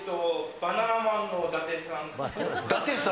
バナナマンの伊達さん。